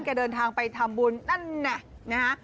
เดินทางไปทำบุญนั่นน่ะนะฮะ